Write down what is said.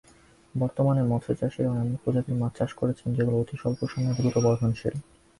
বর্তমানে মৎস্যচাষিরাও এমন প্রজাতির মাছ চাষ করছেন, যেগুলো অতি অল্প সময়ে দ্রুত বর্ধনশীল।